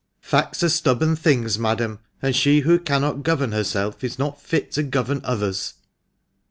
"Facts are stubborn things, madam, and she who cannot govern herself is not fit to govern others."